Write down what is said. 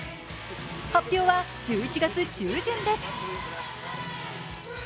発表は１１月中旬です。